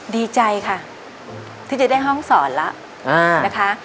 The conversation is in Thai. ดีใจค่ะที่จะได้ห้องสอนแล้วนะคะ